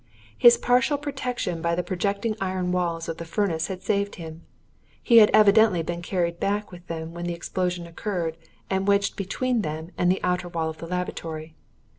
His partial protection by the projecting iron walls of the furnace had saved him; he had evidently been carried back with them when the explosion occurred and wedged between them and the outer wall of the laboratory.